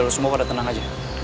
semua pada tenang aja